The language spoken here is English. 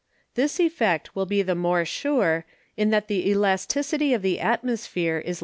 This Effect will be the more sure, in that the Elasticity of the Atmosphere is likewise diminished.